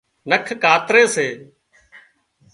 نک ڪاتري سي